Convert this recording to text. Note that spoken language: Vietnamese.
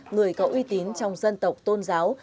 người có uy tín trong dân tộc tôn giáo